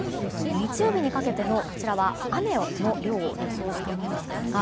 日曜日にかけての雨の量を予想したものです。